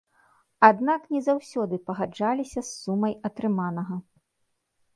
Аднак не заўсёды пагаджаліся з сумай атрыманага.